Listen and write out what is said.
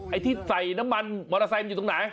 ไอ้ที่ใส่น้ำมันมอเตอร์ไซค์มันอยู่ตรงไหน